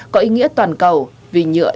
có ý nghĩa toàn cầu vì nhựa